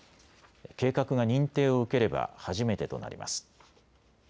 計画が認定を受ければ初めてとなります。